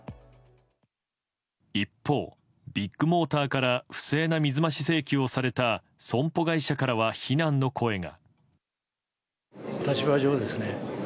一方、ビッグモーターから不正な水増し請求をされた損保会社からは非難の声が。